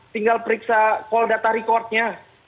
tinggal periksa call data recordnya